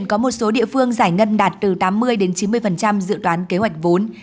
có một số địa phương giải ngân đạt từ tám mươi chín mươi dự toán kế hoạch vốn